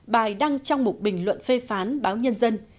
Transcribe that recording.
bài đăng trong một bình luận phê phán báo nhân dân